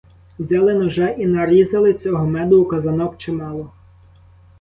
Взяли ножа і нарізали цього меду у казанок чимало.